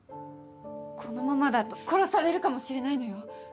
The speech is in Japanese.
このままだと殺されるかもしれないのよ。